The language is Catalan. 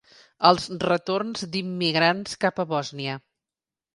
Els retorns d’immigrants cap a Bòsnia.